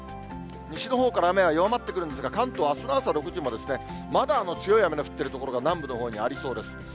西のほうから雨は弱まってくるんですが、関東、あすの朝６時も、まだ強い雨の降っている所が、南部のほうにありそうです。